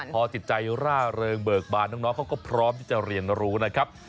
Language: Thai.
พอจิตใจร่าเริงเบิกบานน้องเขาก็พร้อมที่จะเรียนรู้นะครับ